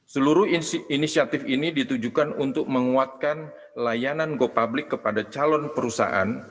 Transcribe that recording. seluruh inisiatif ini ditujukan untuk menguatkan layanan go public kepada calon perusahaan